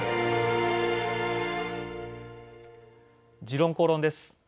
「時論公論」です。